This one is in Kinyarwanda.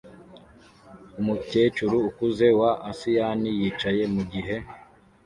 Umukecuru ukuze wa asiyani yicaye mugihe